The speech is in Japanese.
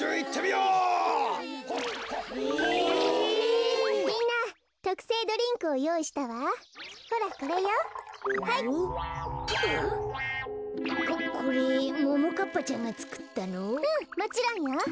うんもちろんよ。